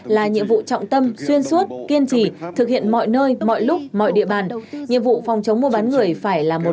là nhiệm vụ trọng tâm xuyên suốt kiên trì